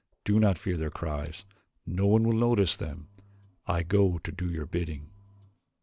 Do not fear their cries. No one will notice them. I go to do your bidding."